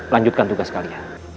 lanjutkan tugas kalian